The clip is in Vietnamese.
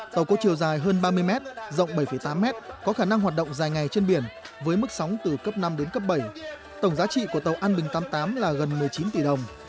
tàu có chiều dài hơn ba mươi m rộng bảy tám mét có khả năng hoạt động dài ngày trên biển với mức sóng từ cấp năm đến cấp bảy tổng giá trị của tàu an bình tám mươi tám là gần một mươi chín tỷ đồng